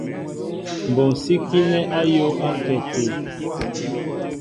Mɓonsikinɛ ayōōakɛ até.